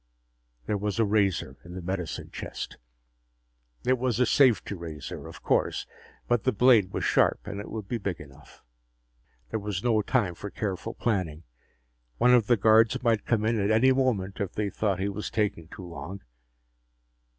There was a razor in the medicine chest. It was a safety razor, of course, but the blade was sharp and it would be big enough. There was no time for careful planning. One of the guards might come in at any moment if they thought he was taking too long.